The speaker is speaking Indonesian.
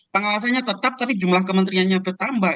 pengawasannya tetap tapi jumlah kementeriannya bertambah